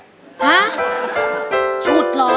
ฮะฉุดเหรอ